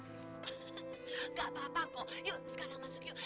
tidak apa apa kok yuk sekarang masuk yuk